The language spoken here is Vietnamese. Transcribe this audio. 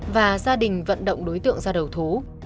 và gia đình vận động đối tượng ra đầu thú